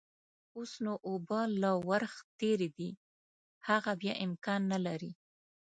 اوس نو اوبه له ورخ تېرې دي، هغه بيا امکان نلري.